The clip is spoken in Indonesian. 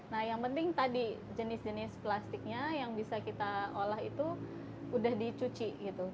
nah yang penting tadi jenis jenis plastiknya yang bisa kita olah itu udah dicuci gitu